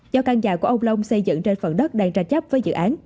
do căn nhà của ông long xây dựng trên phần đất đang tranh chấp với dự án